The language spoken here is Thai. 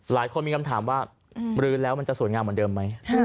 หลายคนมีคำถามว่ามรื้อแล้วมันจะสวยงามเหมือนเดิมไหม